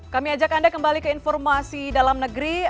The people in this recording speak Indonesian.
kami ajak anda kembali ke informasi dalam negeri